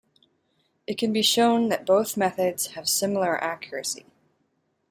It can be shown that both methods have similar accuracy.